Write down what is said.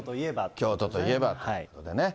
京都といえばということでね。